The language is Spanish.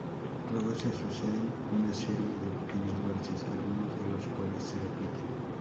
Luego se suceden una serie de pequeños valses, algunos de los cuales se repiten.